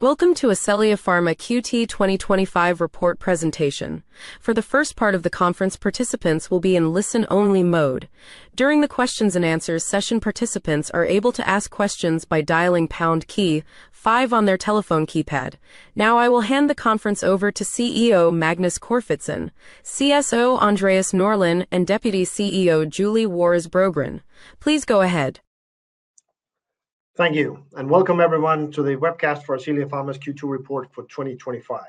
Welcome to Ascelia Pharma QT 2025 Report Presentation. For the first part of the conference, participants will be in listen-only mode. During the questions and answers session, participants are able to ask questions by dialing pound key five on their telephone keypad. Now, I will hand the conference over to CEO Magnus Corfitzen, CSO Andreas Norlin, and Deputy CEO Julie Waras Brogren. Please go ahead. Thank you, and welcome everyone to the webcast for Ascelia Pharma's Q2 Report for 2025.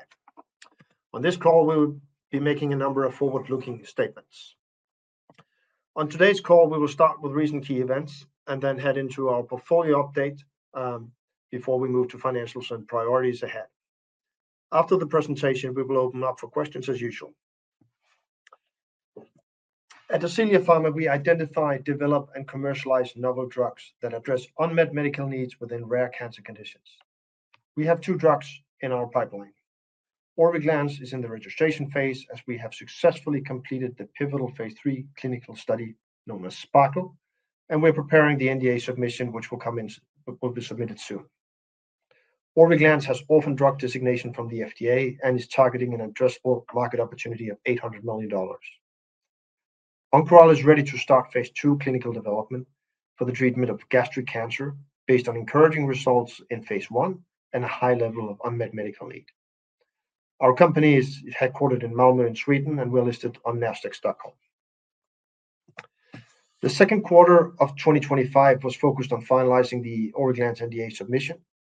On this call, we will be making a number of forward-looking statements. On today's call, we will start with recent key events and then head into our portfolio update before we move to financials and priorities ahead. After the presentation, we will open up for questions as usual. At Ascelia Pharma, we identify, develop, and commercialize novel drugs that address unmet medical needs within rare cancer conditions. We have two drugs in our pipeline. Orviglance is in the registration phase as we have successfully completed the pivotal phase III clinical study known as the SPARKLE, and we're preparing the NDA submission, which will be submitted soon. Orviglance has orphan drug designation from the FDA and is targeting an addressable market opportunity of $800 million. Oncoral is ready to start phase II clinical development for the treatment of gastric cancer based on encouraging results in phase I and a high level of unmet medical need. Our company is headquartered in Malmö in Sweden and we're listed on Nasdaq Stockholm. The second quarter of 2025 was focused on finalizing the Orviglance NDA submission,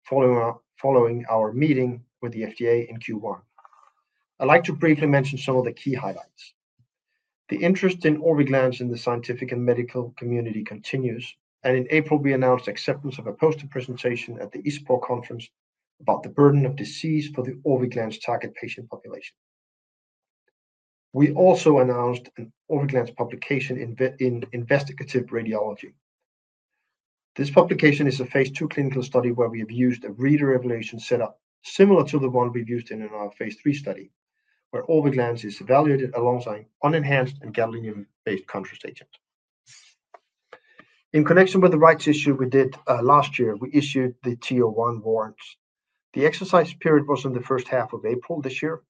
following our meeting with the FDA in Q1. I'd like to briefly mention some of the key highlights. The interest in Orviglance in the scientific and medical community continues, and in April, we announced acceptance of a poster presentation at the ISPO conference about the burden of disease for the Orviglance target patient population. We also announced an Orviglance publication in Investigative Radiology. This publication is a phase II clinical study where we have used a reader evaluation setup similar to the one we've used in our phase III study, where Orviglance is evaluated alongside an unenhanced and gadolinium-based contrast agent. In connection with the rights issue we did last year, we issued the Tier 1 warrants. The exercise period was in the first half of April this year,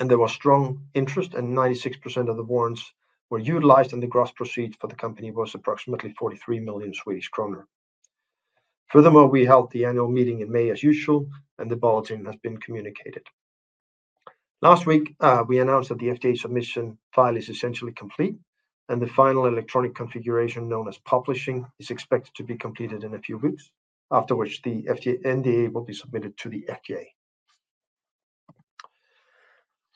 and there was strong interest, and 96% of the warrants were utilized, and the gross proceeds for the company were approximately 43 million Swedish kronor. Furthermore, we held the annual meeting in May as usual, and the bulletin has been communicated. Last week, we announced that the FDA submission file is essentially complete, and the final electronic configuration known as publishing is expected to be completed in a few weeks, after which the NDA will be submitted to the FDA.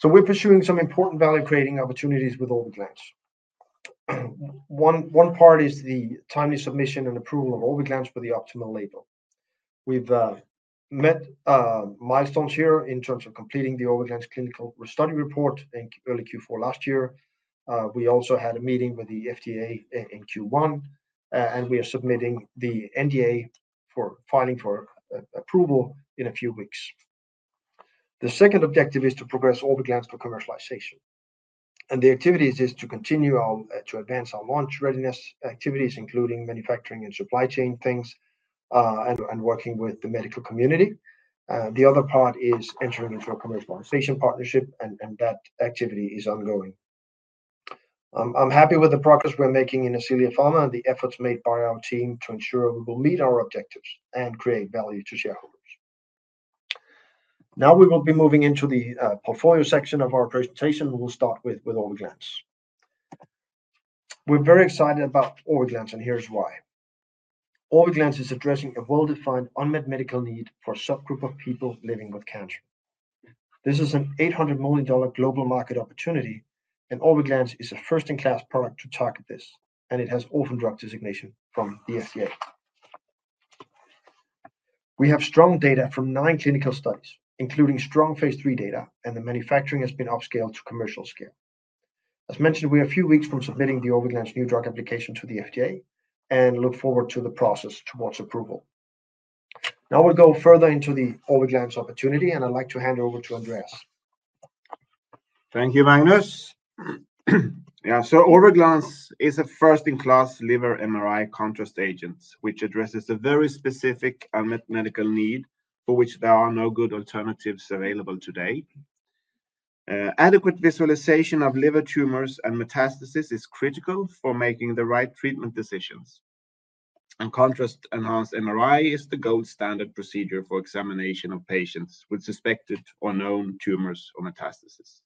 We're pursuing some important value creating opportunities with Orviglance. One part is the timely submission and approval of Orviglance for the optimal label. We've met milestones here in terms of completing the Orviglance clinical study report in early Q4 last year. We also had a meeting with the FDA in Q1, and we are submitting the NDA for filing for approval in a few weeks. The second objective is to progress Orviglance for commercialization, and the activities are to continue to advance our launch readiness activities, including manufacturing and supply chain things and working with the medical community. The other part is entering into a commercialization partnership, and that activity is ongoing. I'm happy with the progress we're making in Ascelia Pharma and the efforts made by our team to ensure we will meet our objectives and create value to shareholders. Now, we will be moving into the portfolio section of our presentation. We'll start with Orviglance. We're very excited about Orviglance, and here's why. Orviglance is addressing a well-defined unmet medical need for a subgroup of people living with cancer. This is an $800 million global market opportunity, and Orviglance is a first-in-class product to target this, and it has orphan drug designation from the [FDA]. We have strong data from nine clinical studies, including strong phase III data, and the manufacturing has been upscaled to commercial scale. As mentioned, we're a few weeks from submitting the Orviglance New Drug Application to the FDA and look forward to the process towards approval. Now, we'll go further into the Orviglance opportunity, and I'd like to hand it over to Andreas. Thank you, Magnus. Yeah, so Orviglance is a first-in-class liver MRI contrast agent, which addresses a very specific unmet medical need for which there are no good alternatives available today. Adequate visualization of liver tumors and metastases is critical for making the right treatment decisions, and contrast-enhanced MRI is the gold standard procedure for examination of patients with suspected or known tumors or metastases.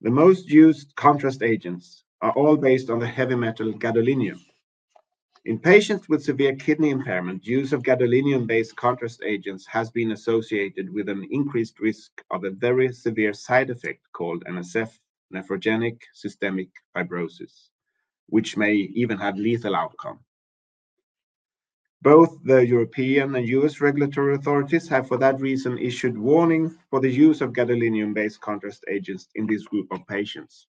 The most used contrast agents are all based on the heavy metal gadolinium. In patients with severe kidney impairment, the use of gadolinium-based contrast agents has been associated with an increased risk of a very severe side effect called NSF, nephrogenic systemic fibrosis, which may even have a lethal outcome. Both the European and U.S. regulatory authorities have, for that reason, issued warnings for the use of gadolinium-based contrast agents in this group of patients.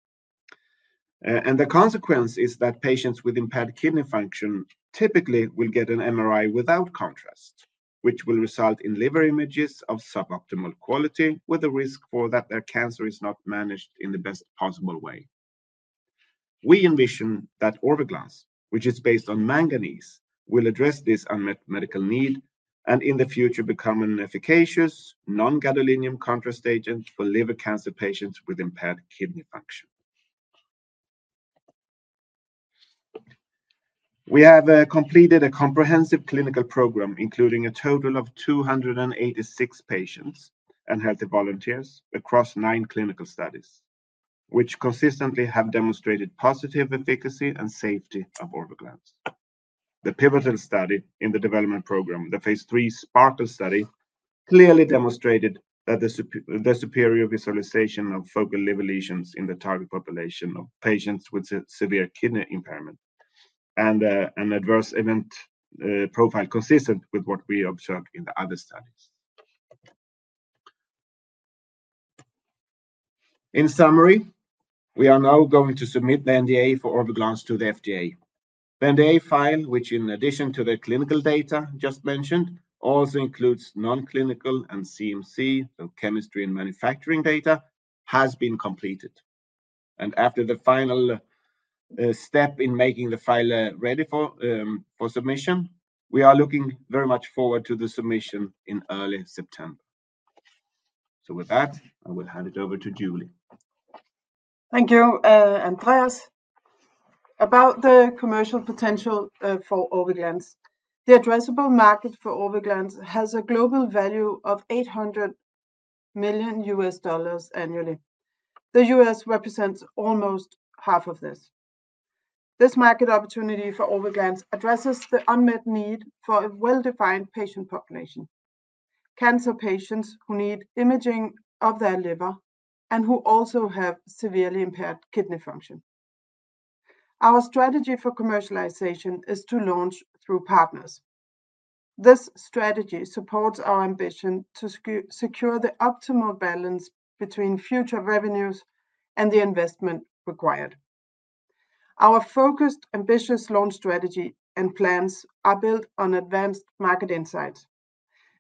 The consequence is that patients with impaired kidney function typically will get an MRI without contrast, which will result in liver images of suboptimal quality with a risk for that their cancer is not managed in the best possible way. We envision that Orviglance, which is based on manganese, will address this unmet medical need and in the future become an efficacious non-gadolinium contrast agent for liver cancer patients with impaired kidney function. We have completed a comprehensive clinical program, including a total of 286 patients and healthy volunteers across nine clinical studies, which consistently have demonstrated positive efficacy and safety of Orviglance. The pivotal study in the development program, the phase III SPARKLE study, clearly demonstrated the superior visualization of focal liver lesions in the target population of patients with severe kidney impairment and an adverse event profile consistent with what we observed in the other studies. In summary, we are now going to submit the NDA for Orviglance to the FDA. The NDA file, which in addition to the clinical data just mentioned, also includes non-clinical and CMC, the chemistry and manufacturing data, has been completed. After the final step in making the file ready for submission, we are looking very much forward to the submission in early September. I will hand it over to Julie. Thank you, Andreas. About the commercial potential for Orviglance, the addressable market for Orviglance has a global value of $800 million annually. The U.S. represents almost half of this. This market opportunity for Orviglance addresses the unmet need for a well-defined patient population, cancer patients who need imaging of their liver and who also have severely impaired kidney function. Our strategy for commercialization is to launch through partners. This strategy supports our ambition to secure the optimal balance between future revenues and the investment required. Our focused, ambitious launch strategy and plans are built on advanced market insights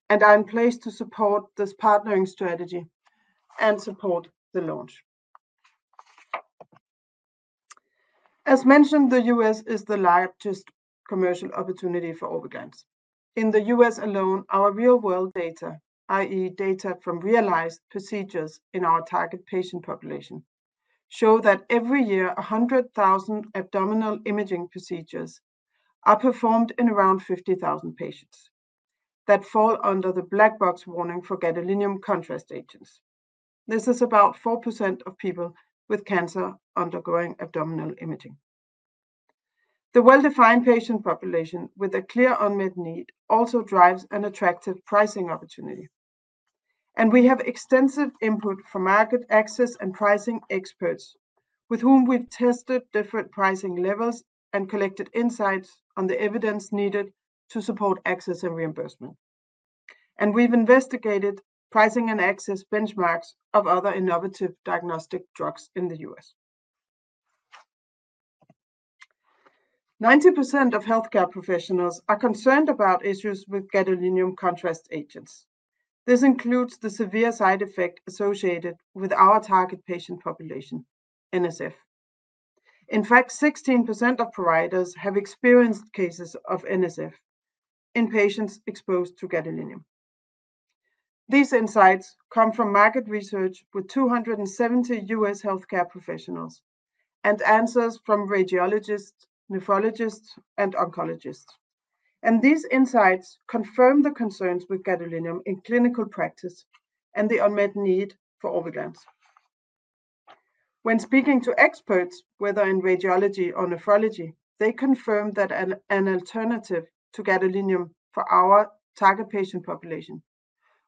and are in place to support this partnering strategy and support the launch. As mentioned, the U.S. is the largest commercial opportunity for Orviglance. In the U.S. alone, our real-world data, i.e., data from realized procedures in our target patient population, show that every year, 100,000 abdominal imaging procedures are performed in around 50,000 patients that fall under the black box warning for gadolinium-based agents. This is about 4% of people with cancer undergoing abdominal imaging. The well-defined patient population with a clear unmet need also drives an attractive pricing opportunity, and we have extensive input from market access and pricing experts with whom we've tested different pricing levels and collected insights on the evidence needed to support access and reimbursement. We have investigated pricing and access benchmarks of other innovative diagnostic drugs in the U.S. Ninety percent of healthcare professionals are concerned about issues with gadolinium-based agents. This includes the severe side effect associated with our target patient population, NSF. In fact, 16% of providers have experienced cases of NSF in patients exposed to gadolinium. These insights come from market research with 270 U.S. healthcare professionals and answers from radiologists, nephrologists, and oncologists. These insights confirm the concerns with gadolinium in clinical practice and the unmet need for Orviglance. When speaking to experts, whether in radiology or nephrology, they confirm that an alternative to gadolinium for our target patient population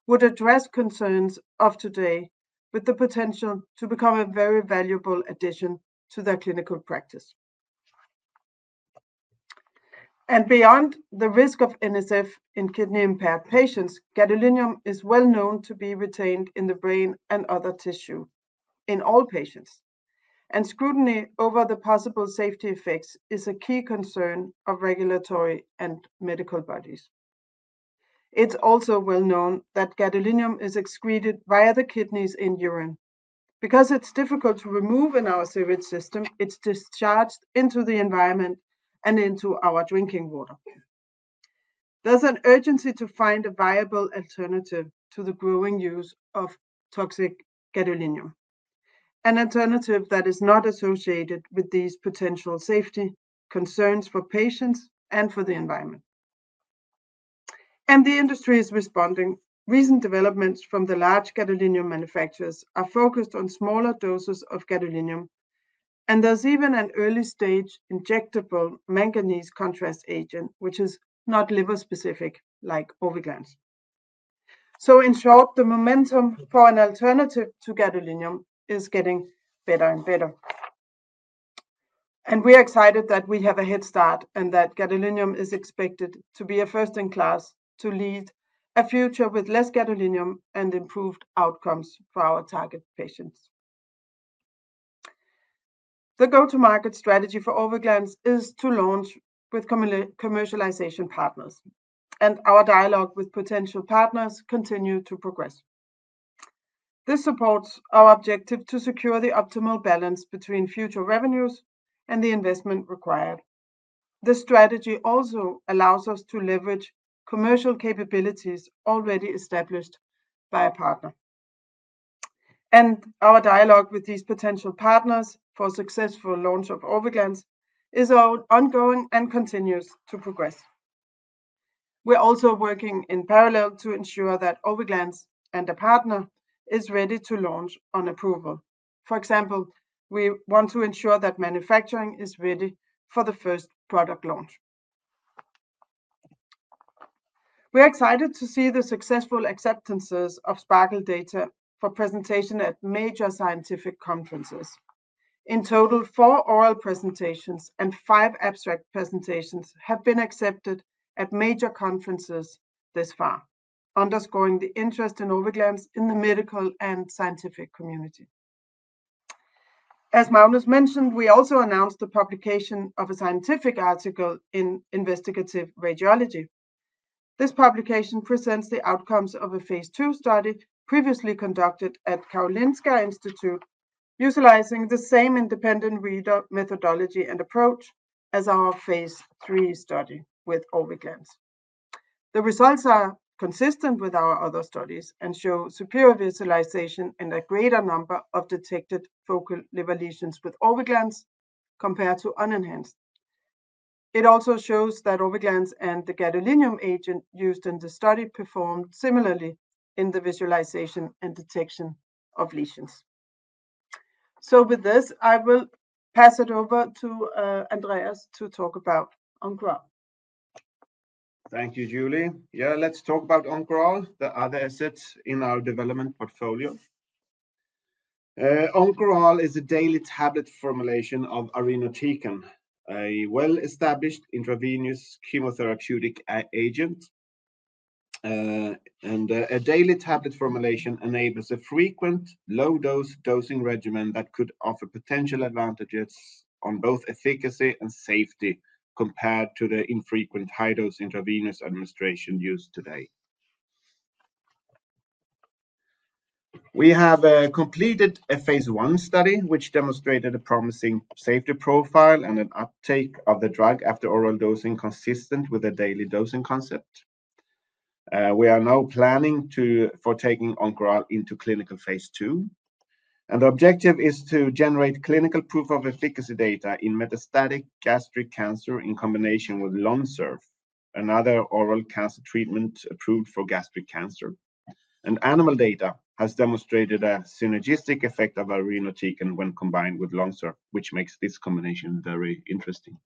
would address concerns of today with the potential to become a very valuable addition to their clinical practice. Beyond the risk of NSF in kidney-impaired patients, gadolinium is well known to be retained in the brain and other tissue in all patients, and scrutiny over the possible safety effects is a key concern of regulatory and medical bodies. It's also well known that gadolinium is excreted via the kidneys in urine. Because it's difficult to remove in our sewage system, it's discharged into the environment and into our drinking water. There's an urgency to find a viable alternative to the growing use of toxic gadolinium, an alternative that is not associated with these potential safety concerns for patients and for the environment. The industry is responding. Recent developments from the large gadolinium manufacturers are focused on smaller doses of gadolinium, and there's even an early-stage injectable manganese contrast agent, which is not liver-specific like Orviglance. In short, the momentum for an alternative to gadolinium is getting better and better. We are excited that we have a head start and that Orviglance is expected to be a first-in-class to lead a future with less gadolinium and improved outcomes for our target patients. The go-to-market strategy for Orviglance is to launch with commercialization partners, and our dialogue with potential partners continues to progress. This supports our objective to secure the optimal balance between future revenues and the investment required. This strategy also allows us to leverage commercial capabilities already established by a partner. Our dialogue with these potential partners for successful launch of Orviglance is ongoing and continues to progress. We're also working in parallel to ensure that Orviglance and a partner are ready to launch on approval. For example, we want to ensure that manufacturing is ready for the first product launch. We're excited to see the successful acceptances of SPARKLE data for presentation at major scientific conferences. In total, four oral presentations and five abstract presentations have been accepted at major conferences thus far, underscoring the interest in Orviglance in the medical and scientific community. As Magnus mentioned, we also announced the publication of a scientific article in Investigative Radiology. This publication presents the outcomes of a phase II study previously conducted at Karolinska Institute, utilizing the same independent reader methodology and approach as our phase III study with Orviglance. The results are consistent with our other studies and show superior visualization and a greater number of detected focal liver lesions with Orviglance compared to unenhanced. It also shows that Orviglance and the gadolinium agent used in the study performed similarly in the visualization and detection of lesions. With this, I will pass it over to Andreas to talk about Oncoral. Thank you, Julie. Yeah, let's talk about Oncoral, the other assets in our development portfolio. Oncoral is a daily tablet formulation of irinotecan, a well-established intravenous chemotherapeutic agent. A daily tablet formulation enables a frequent low-dose dosing regimen that could offer potential advantages on both efficacy and safety compared to the infrequent high-dose intravenous administration used today. We have completed a phase I study, which demonstrated a promising safety profile and an uptake of the drug after oral dosing consistent with a daily dosing concept. We are now planning to take Oncoral into clinical phase II. The objective is to generate clinical proof of efficacy data in metastatic gastric cancer in combination with Lonsurf, another oral cancer treatment approved for gastric cancer. Animal data has demonstrated a synergistic effect of irinotecan when combined with Lonsurf, which makes this combination very interesting.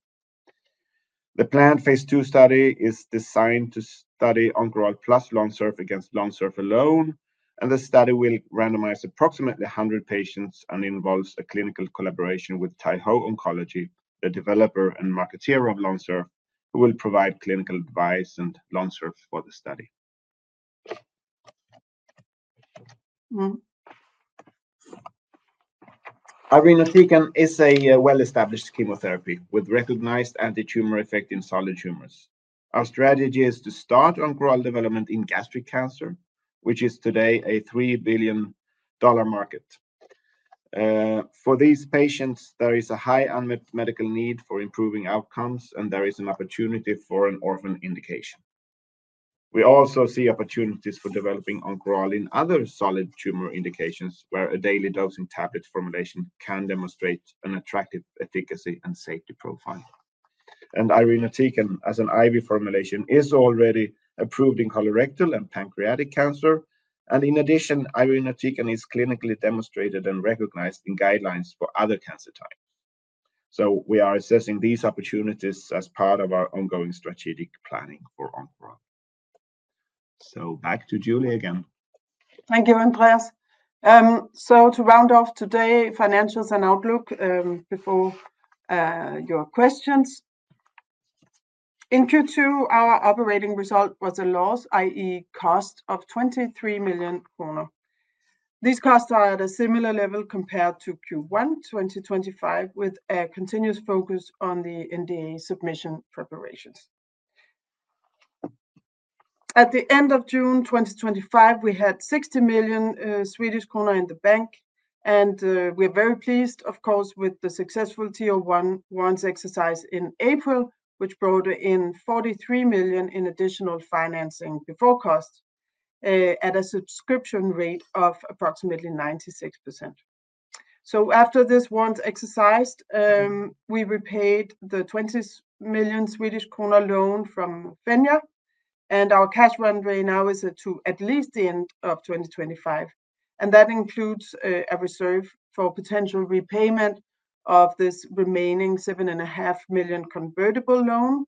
The planned phase II study is designed to study Oncoral plus Lonsurf against Lonsurf alone. The study will randomize approximately 100 patients and involves a clinical collaboration with Taiho Oncology, the developer and marketeer of Lonsurf, who will provide clinical advice and Lonsurf for the study. Irinotecan is a well-established chemotherapy with recognized anti-tumor effect in solid tumors. Our strategy is to start Oncoral development in gastric cancer, which is today a $3 billion market. For these patients, there is a high unmet medical need for improving outcomes, and there is an opportunity for an orphan indication. We also see opportunities for developing Oncoral in other solid tumor indications where a daily dosing tablet formulation can demonstrate an attractive efficacy and safety profile. Irinotecan, as an IV formulation, is already approved in colorectal and pancreatic cancer. In addition, irinotecan is clinically demonstrated and recognized in guidelines for other cancer types. We are assessing these opportunities as part of our ongoing strategic planning for Oncoral. Back to Julie again. Thank you, Andreas. To round off today's financials and outlook before your questions, in Q2, our operating result was a loss, i.e., cost of 23 million kronor. These costs are at a similar level compared to Q1 2025 with a continuous focus on the NDA submission preparations. At the end of June 2025, we had 60 million Swedish kronor in the bank, and we're very pleased, of course, with the successful Tier 1 warrants exercised in April, which brought in 43 million in additional financing before cost at a subscription rate of approximately 96%. After these warrants were exercised, we repaid the 20 million Swedish kronor loan from Venya, and our cash runway now is at least the end of 2025. That includes a reserve for potential repayment of this remaining 7.5 million convertible loan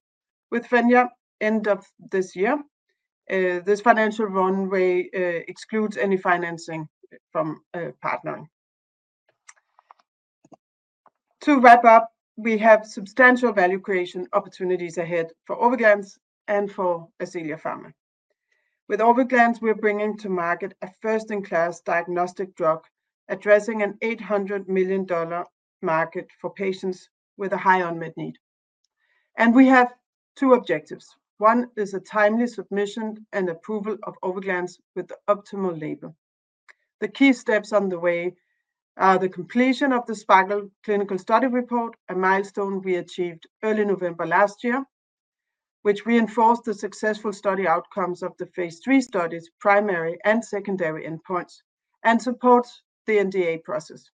with Fenja end of this year. This financial runway excludes any financing from partnering. To wrap up, we have substantial value creation opportunities ahead for Orviglance and for Ascelia Pharma. With Orviglance, we're bringing to market a first-in-class diagnostic drug addressing an $800 million market for patients with a high unmet need. We have two objectives. One is a timely submission and approval of Orviglance with the optimal label. The key steps on the way are the completion of the SPARKLE clinical study report, a milestone we achieved early November last year, which reinforced the successful study outcomes of the phase III studies, primary and secondary endpoints, and supports the NDA process.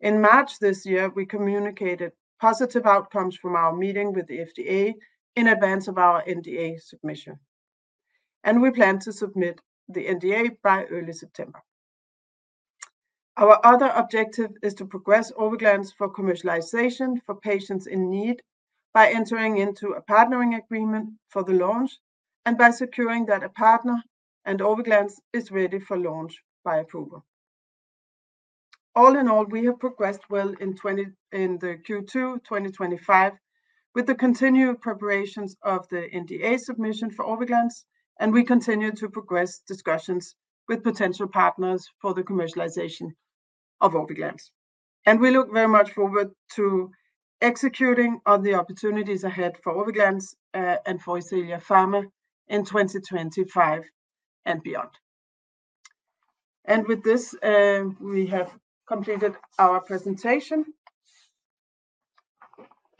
In March this year, we communicated positive outcomes from our meeting with the FDA in advance of our NDA submission. We plan to submit the NDA by early September. Our other objective is to progress Orviglance for commercialization for patients in need by entering into a partnering agreement for the launch and by securing that a partner and Orviglance are ready for launch by approval. All in all, we have progressed well in Q2 2025 with the continued preparations of the NDA submission for Orviglance, and we continue to progress discussions with potential partners for the commercialization of Orviglance. We look very much forward to executing on the opportunities ahead for Orviglance and for Ascelia Pharma in 2025 and beyond. With this, we have completed our presentation.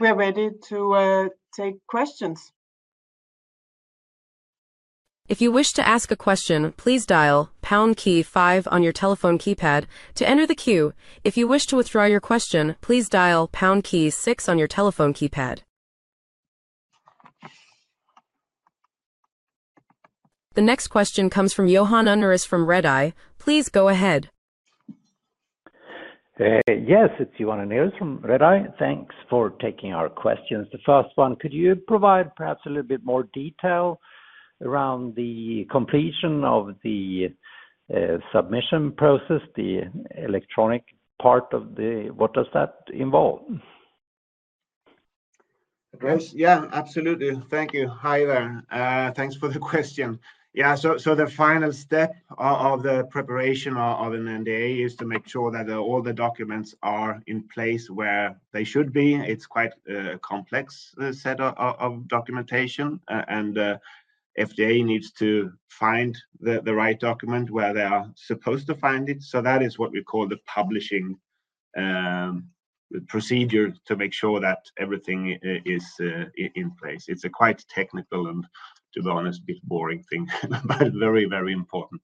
We're ready to take questions. If you wish to ask a question, please dial pound key five on your telephone keypad to enter the queue. If you wish to withdraw your question, please dial pound key six on your telephone keypad. The next question comes from Johan Unnerus from Redeye. Please go ahead. Yes, it's Johan Unnerus from Redeye. Thanks for taking our questions. The first one, could you provide perhaps a little bit more detail around the completion of the submission process, the electronic part of the... What does that involve? Absolutely. Thank you. Hi there. Thanks for the question. The final step of the preparation of an NDA is to make sure that all the documents are in place where they should be. It's quite a complex set of documentation, and the FDA needs to find the right document where they are supposed to find it. That is what we call the publishing procedure to make sure that everything is in place. It's a quite technical and, to be honest, a bit boring thing, but very, very important.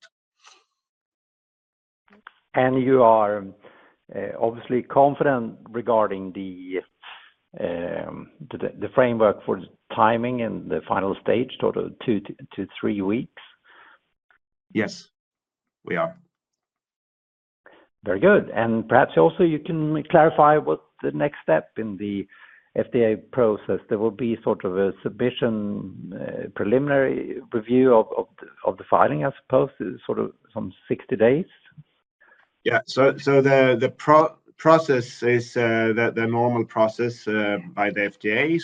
You are obviously confident regarding the framework for the timing and the final stage, total two to three weeks? Yes, we are. Very good. Perhaps also you can clarify what the next step in the FDA process is. There will be sort of a submission, preliminary review of the filing, I suppose, sort of some 60 days? Yeah, the process is the normal process by the FDA.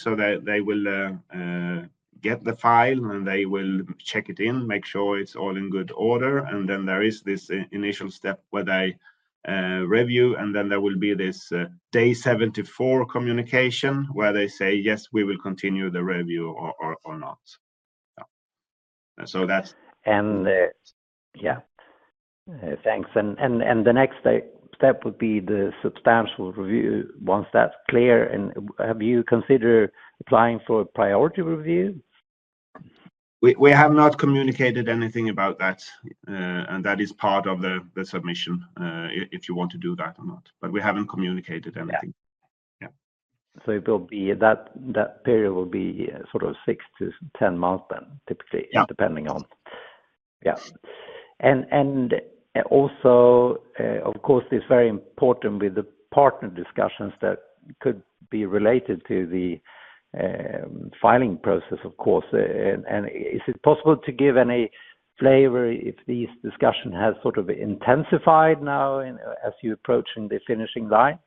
They will get the file, check it in, and make sure it's all in good order. There is this initial step where they review, and then there will be this Day 74 communication where they say, yes, we will continue the review or not. Thank you. The next step would be the substantial review. Once that's clear, have you considered applying for a priority review? We have not communicated anything about that. That is part of the submission if you want to do that or not, but we haven't communicated anything. Yeah, it will be that period will be sort of six to 10 months then, typically, depending on... Yeah, it's very important with the partner discussions that could be related to the filing process, of course. Is it possible to give any flavor if these discussions have sort of intensified now as you're approaching the finishing line?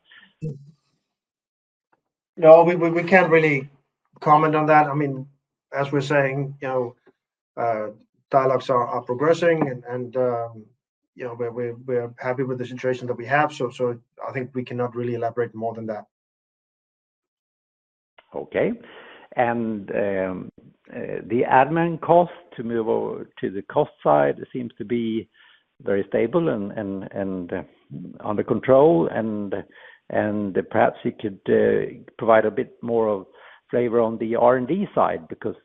No, we can't really comment on that. As we're saying, dialogues are progressing and we're happy with the situation that we have. I think we cannot really elaborate more than that. Okay. The admin cost to move over to the cost side seems to be very stable and under control. Perhaps you could provide a bit more flavor on the R&D side because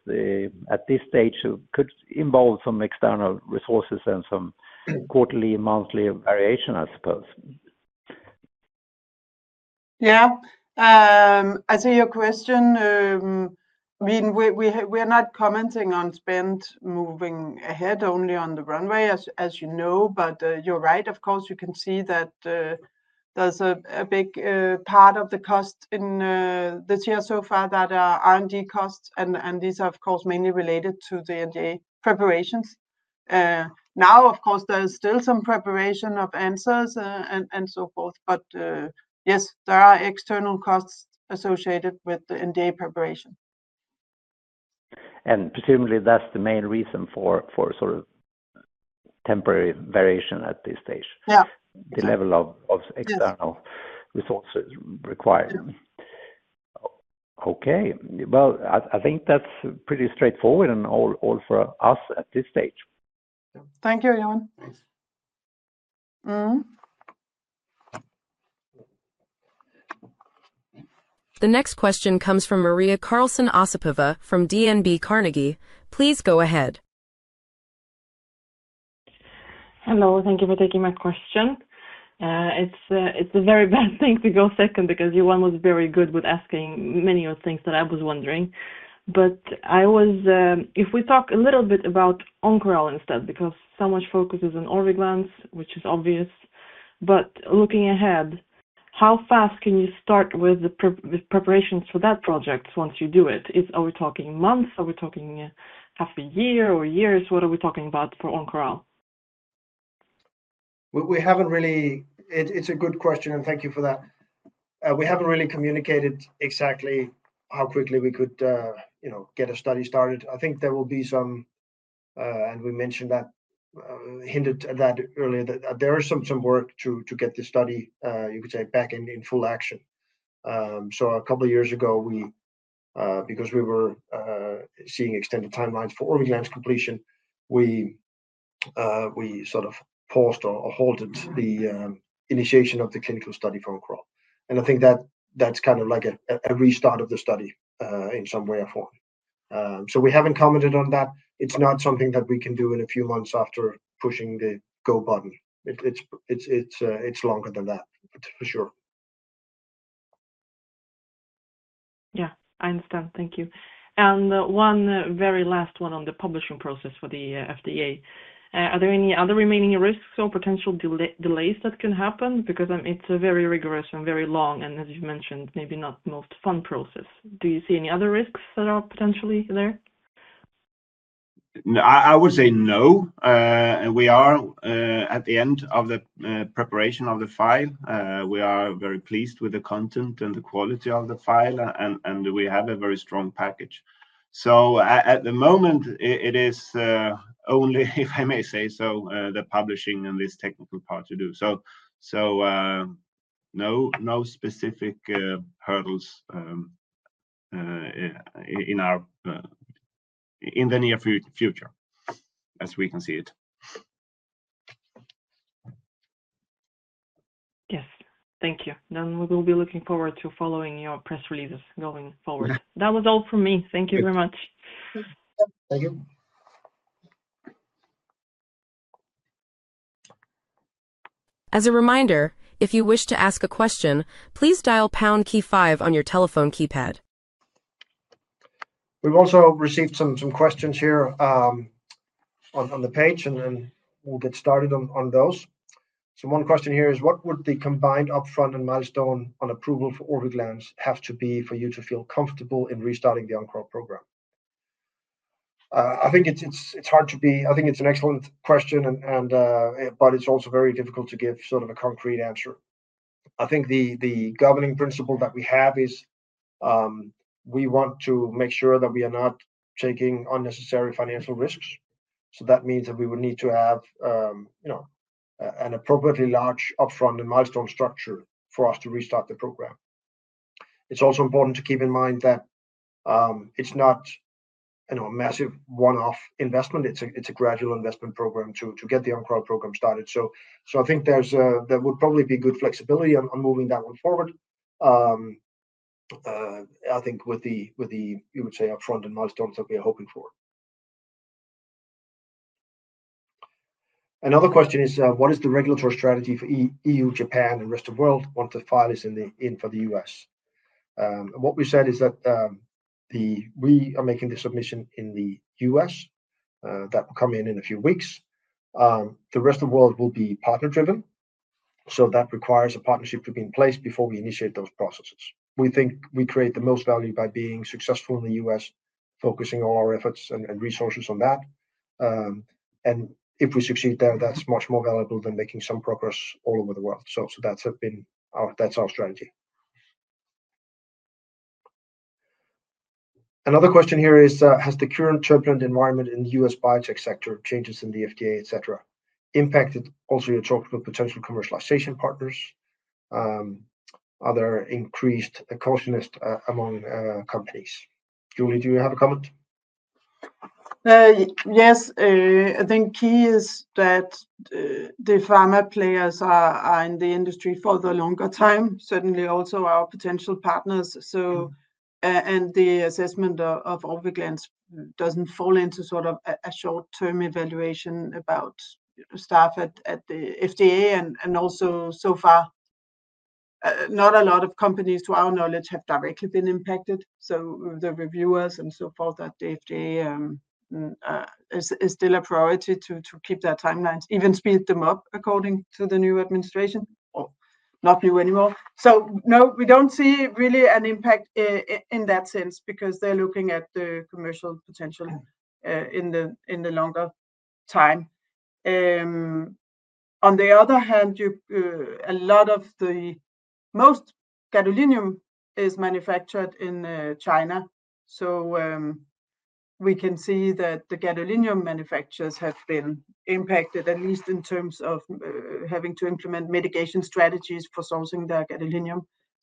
at this stage, it could involve some external resources and some quarterly, monthly variation, I suppose. Yeah. As to your question, I mean, we're not commenting on spend moving ahead, only on the runway, as you know. You're right, of course, you can see that there's a big part of the cost in this year so far that are R&D costs. These are, of course, mainly related to the NDA preparations. Now, of course, there is still some preparation of answers and so forth. Yes, there are external costs associated with the NDA preparation. Presumably, that's the main reason for sort of temporary variation at this stage. Yeah. The level of external resources required. I think that's pretty straightforward and all for us at this stage. Thank you, Johan. The next question comes from Maria Karlsson Osipova from DNB Carnegie. Please go ahead. Hello. Thank you for taking my question. It's a very bad thing to go second because you were almost very good with asking many of the things that I was wondering. If we talk a little bit about Oncoral instead, because so much focus is on Orviglance, which is obvious. Looking ahead, how fast can you start with the preparations for that project once you do it? Are we talking months? Are we talking half a year or years? What are we talking about for Oncoral? It's a good question, and thank you for that. We haven't really communicated exactly how quickly we could, you know, get a study started. I think there will be some, and we mentioned that earlier, that there is some work to get this study, you could say, back in full action. A couple of years ago, because we were seeing extended timelines for Orviglance completion, we sort of paused or halted the initiation of the clinical study for Oncoral. I think that's kind of like a restart of the study in some way or form. We haven't commented on that. It's not something that we can do in a few months after pushing the go button. It's longer than that, for sure. Yeah, I understand. Thank you. One very last one on the publishing process for the FDA. Are there any other remaining risks or potential delays that can happen? It is a very rigorous and very long process, and as you've mentioned, maybe not the most fun process. Do you see any other risks that are potentially there? I would say no. We are at the end of the preparation of the file. We are very pleased with the content and the quality of the file, and we have a very strong package. At the moment, it is only, if I may say so, the publishing and this technical part to do. No specific hurdles in the near future, as we can see it. Yes, thank you. We will be looking forward to following your press releases going forward. That was all from me. Thank you very much. As a reminder, if you wish to ask a question, please dial the pound key five on your telephone keypad. We've also received some questions here on the page, and we'll get started on those. One question here is, what would the combined upfront and milestone on approval for Orviglance have to be for you to feel comfortable in restarting the Oncoral program? I think it's hard to be... I think it's an excellent question, but it's also very difficult to give sort of a concrete answer. The governing principle that we have is we want to make sure that we are not taking unnecessary financial risks. That means that we would need to have, you know, an appropriately large upfront and milestone structure for us to restart the program. It's also important to keep in mind that it's not, you know, a massive one-off investment. It's a gradual investment program to get the Oncoral program started. I think there would probably be good flexibility on moving that one forward with the, you would say, upfront and milestones that we are hoping for. Another question is, what is the regulatory strategy for EU, Japan, and the rest of the world once the file is in for the U.S.? What we said is that we are making the submission in the U.S. That will come in in a few weeks. The rest of the world will be partner-driven. That requires a partnership to be in place before we initiate those processes. We think we create the most value by being successful in the U.S., focusing all our efforts and resources on that. If we succeed there, that's much more valuable than making some progress all over the world. That's our strategy. Another question here is, has the current turbulent environment in the U.S. biotech sector, changes in the FDA, et cetera, impacted also your talk with potential commercialization partners? Are there increased cautionists among companies? Julie, do you have a comment? Yes. I think key is that the pharma players are in the industry for the longer time, certainly also our potential partners. The assessment of Orviglance doesn't fall into sort of a short-term evaluation about staff at the FDA. Also, so far, not a lot of companies, to our knowledge, have directly been impacted. The reviewers and so forth at the FDA are still a priority to keep their timelines, even speed them up according to the new administration, or not new anymore. No, we don't see really an impact in that sense because they're looking at the commercial potential in the longer time. On the other hand, a lot of the most gadolinium is manufactured in China. We can see that the gadolinium manufacturers have been impacted, at least in terms of having to implement mitigation strategies for sourcing their gadolinium.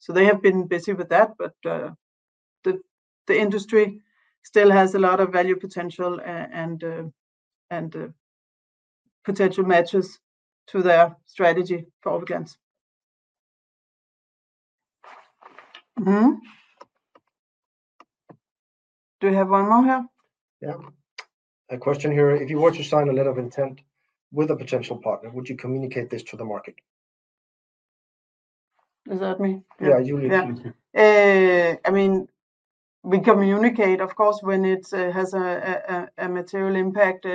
They have been busy with that. The industry still has a lot of value potential and potential matches to their strategy for Orviglance. Do you have one more here? Yeah. A question here. If you were to sign a letter of intent with a potential partner, would you communicate this to the market? Is that me? Yeah, you definitely. We communicate, of course, when it has a material impact.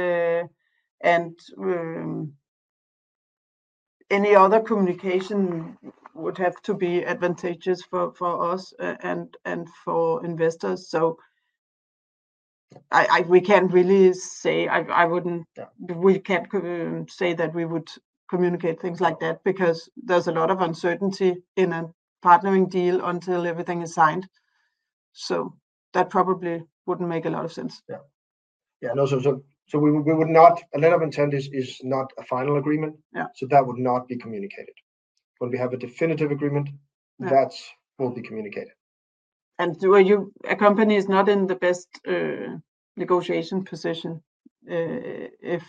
Any other communication would have to be advantageous for us and for investors. We can't really say I wouldn't. We can't say that we would communicate things like that because there's a lot of uncertainty in a partnering deal until everything is signed. That probably wouldn't make a lot of sense. A letter of intent is not a final agreement. That would not be communicated. When we have a definitive agreement, that will be communicated. A company is not in the best negotiation position if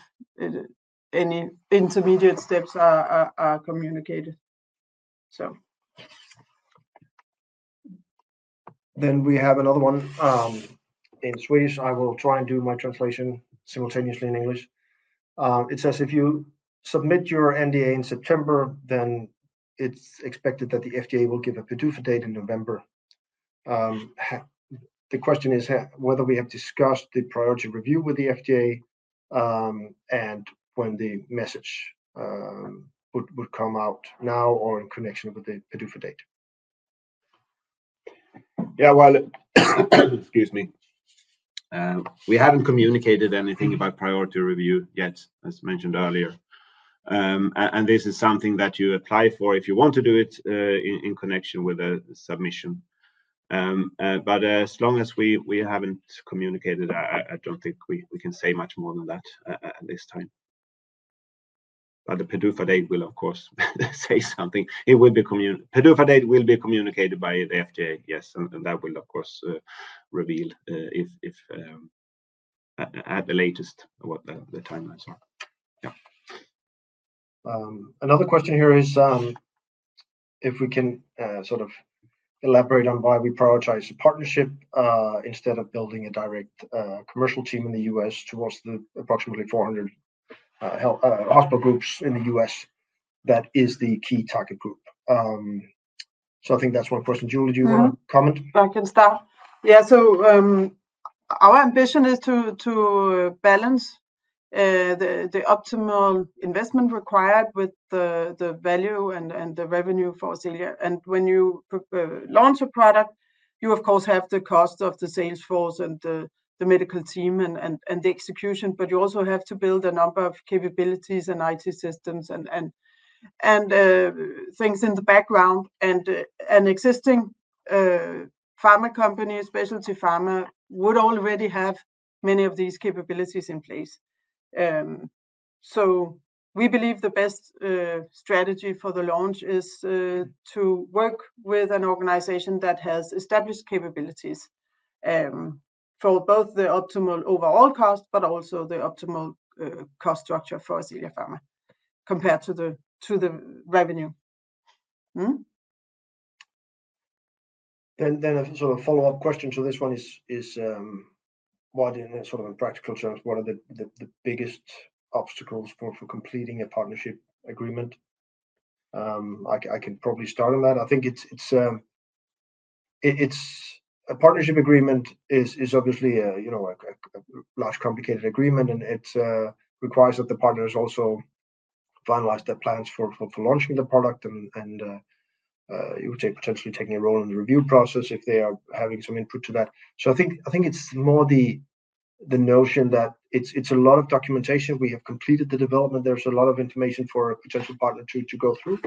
any intermediate steps are communicated. We have another one in Swedish. I will try and do my translation simultaneously in English. It says, if you submit your NDA in September, then it's expected that the FDA will give a priority date in November. The question is whether we have discussed the priority review with the FDA and when the message would come out now or in connection with the priority date. Excuse me. We haven't communicated anything about priority review yet, as mentioned earlier. This is something that you apply for if you want to do it in connection with a submission. As long as we haven't communicated, I don't think we can say much more than that at this time. The PDUFA date will, of course, say something. The PDUFA date will be communicated by the FDA, yes, and that will, of course, reveal at the latest what the timelines are. Another question here is if we can sort of elaborate on why we prioritize a partnership instead of building a direct commercial team in the U.S. towards the approximately 400 hospital groups in the U.S. That is the key target group. I think that's one question. Julie, do you want to comment? I can start. Yeah, our ambition is to balance the optimal investment required with the value and the revenue for Ascelia. When you launch a product, you, of course, have the cost of the sales force and the medical team and the execution. You also have to build a number of capabilities and IT systems and things in the background. An existing pharma company, specialty pharma, would already have many of these capabilities in place. We believe the best strategy for the launch is to work with an organization that has established capabilities for both the optimal overall cost and the optimal cost structure for Ascelia Pharma compared to the revenue. A sort of follow-up question to this one is, in practical terms, what are the biggest obstacles for completing a partnership agreement? I can probably start on that. I think a partnership agreement is obviously a large, complicated agreement, and it requires that the partners also finalize their plans for launching the product. You would say potentially taking a role in the review process if they are having some input to that. I think it's more the notion that it's a lot of documentation. We have completed the development. There's a lot of information for a potential partnership to go through.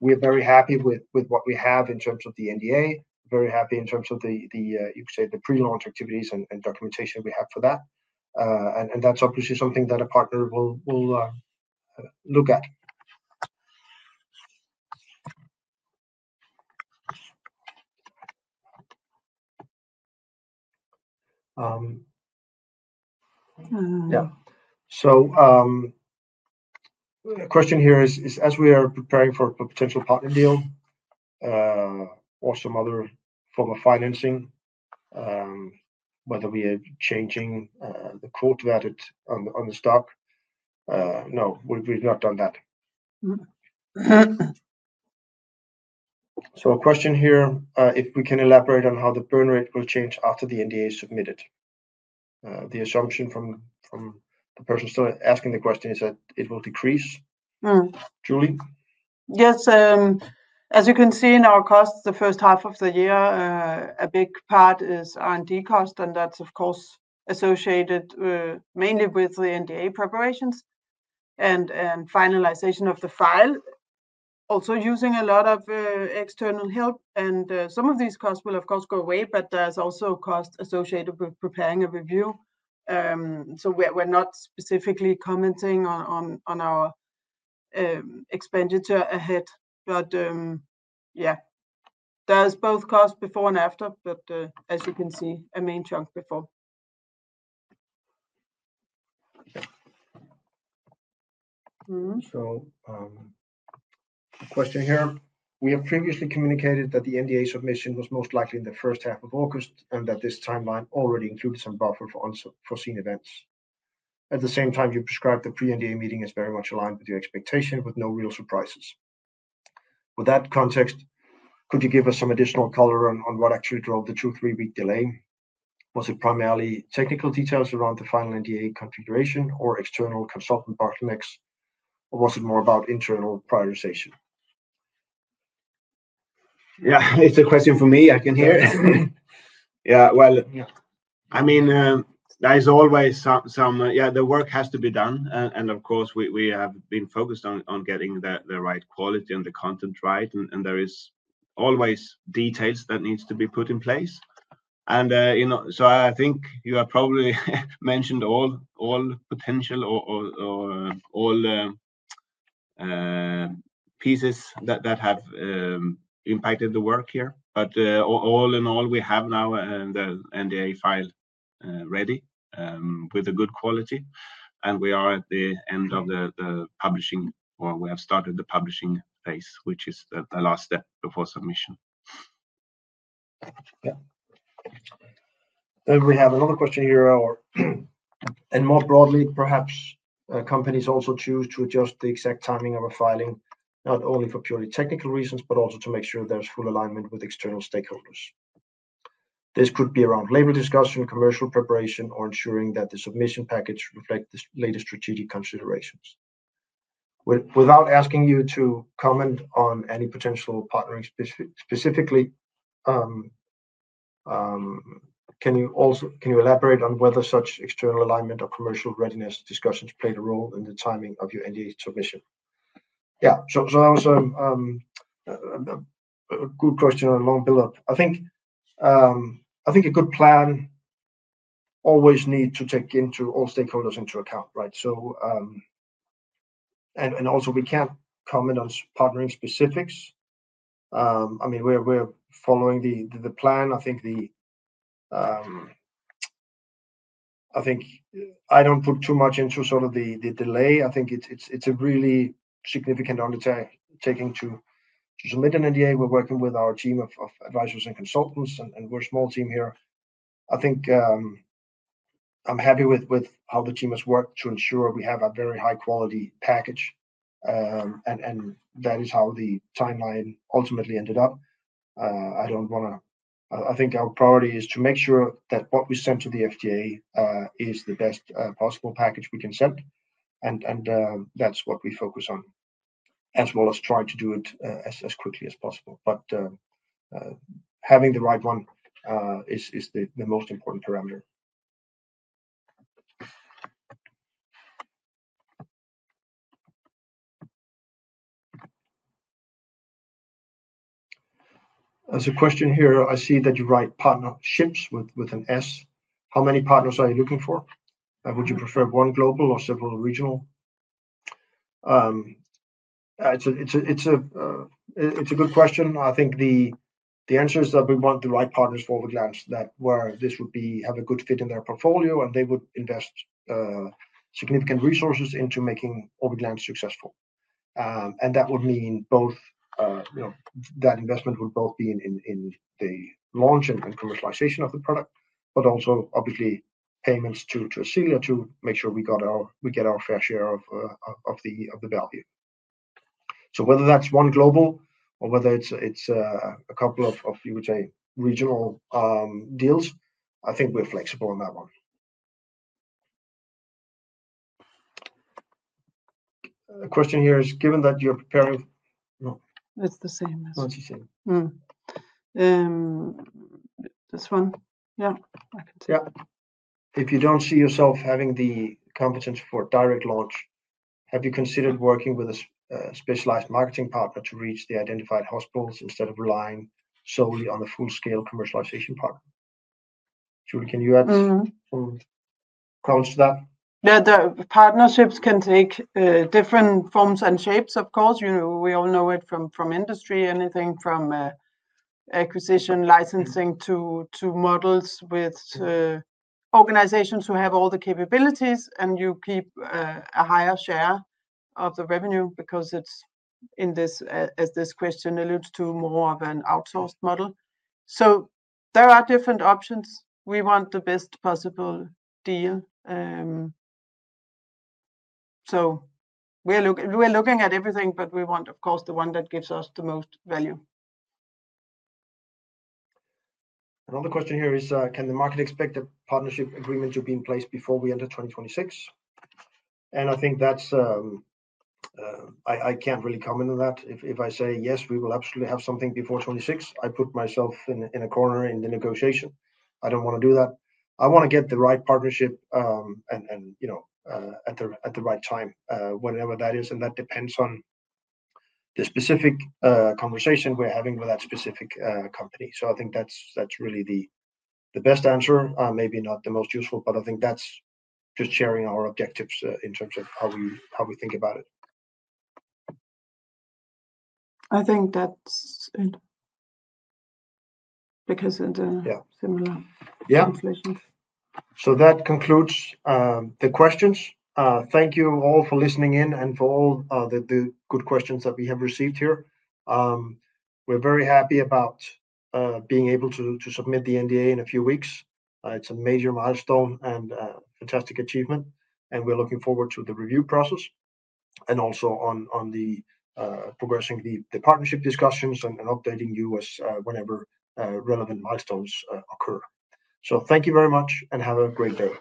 We are very happy with what we have in terms of the NDA, very happy in terms of the, you could say, the pre-launch activities and documentation we have for that. That's obviously something that a partner will look at. A question here is, as we are preparing for a potential partner deal or some other form of financing, whether we are changing the quote that it's on the stock. No, we've not done that. A question here, if we can elaborate on how the burn rate will change after the NDA is submitted. The assumption from the person still asking the question is that it will decrease. Julie? Yes. As you can see in our costs, the first half of the year, a big part is R&D costs, and that's, of course, associated mainly with the NDA preparations and finalization of the file. Also using a lot of external help, and some of these costs will, of course, go away, but there's also costs associated with preparing a review. We're not specifically commenting on our expenditure ahead. There's both costs before and after, but as you can see, a main chunk before. We have previously communicated that the NDA submission was most likely in the first half of August and that this timeline already included some buffer for unforeseen events. At the same time, you described the pre-NDA meeting as very much aligned with your expectation, with no real surprises. With that context, could you give us some additional color on what actually drove the two to three-week delay? Was it primarily technical details around the final NDA configuration or external consultant partner mix, or was it more about internal prioritization? Yeah, it's a question for me. I can hear. There's always some, the work has to be done. Of course, we have been focused on getting the right quality and the content right. There are always details that need to be put in place. I think you have probably mentioned all potential or all pieces that have impacted the work here. All in all, we have now the NDA file ready with a good quality. We are at the end of the publishing, or we have started the publishing phase, which is the last step before submission. We have another question here. More broadly, perhaps companies also choose to adjust the exact timing of a filing, not only for purely technical reasons, but also to make sure there's full alignment with external stakeholders. This could be around labor discussion, commercial preparation, or ensuring that the submission package reflects the latest strategic considerations. Without asking you to comment on any potential partnering specifically, can you elaborate on whether such external alignment or commercial readiness discussions played a role in the timing of your NDA submission? Yeah, that was a good question and a long build-up. I think a good plan always needs to take all stakeholders into account, right? Also, we can't comment on partnering specifics. We're following the plan. I don't put too much into the delay. It's a really significant undertaking to submit an NDA. We're working with our team of advisors and consultants, and we're a small team here. I'm happy with how the team has worked to ensure we have a very high-quality package. That is how the timeline ultimately ended up. I don't want to—I think our priority is to make sure that what we send to the FDA is the best possible package we can send. That's what we focus on, as well as try to do it as quickly as possible. Having the right one is the most important parameter. There's a question here. I see that you write partnerships with an S. How many partners are you looking for? Would you prefer one global or several regional? It's a good question. The answer is that we want the right partners for Orviglance, where this would have a good fit in their portfolio, and they would invest significant resources into making Orviglance successful. That would mean both, you know, that investment would both be in the launch and commercialization of the product, but also, obviously, payments to Ascelia to make sure we get our fair share of the value. Whether that's one global or whether it's a couple of, you would say, regional deals, we're flexible on that one. A question here is, given that you're preparing... [It's the same as...] What did you say? [Yeah, I can say that.] Yeah. If you don't see yourself having the competence for direct launch, have you considered working with a specialized marketing partner to reach the identified hospitals instead of relying solely on the full-scale commercialization partner? Julie, can you add comments to that? The partnerships can take different forms and shapes, of course. We all know it from industry, anything from acquisition, licensing to models with organizations who have all the capabilities, and you keep a higher share of the revenue because it's in this, as this question alludes to, more of an outsourced model. There are different options. We want the best possible deal. We're looking at everything, but we want, of course, the one that gives us the most value. Another question here is, can the market expect a partnership agreement to be in place before we enter 2026? I can't really comment on that. If I say, yes, we will absolutely have something before 2026, I put myself in a corner in the negotiation. I don't want to do that. I want to get the right partnership at the right time, whenever that is. That depends on the specific conversation we're having with that specific company. I think that's really the best answer, maybe not the most useful, but I think that's just sharing our objectives in terms of how we think about it. [I think that's it because of the similar conflicts.] That concludes the questions. Thank you all for listening in and for all the good questions that we have received here. We're very happy about being able to submit the NDA in a few weeks. It's a major milestone and a fantastic achievement. We're looking forward to the review process and also on progressing the partnership discussions and updating you as whenever relevant milestones occur. Thank you very much and have a great day.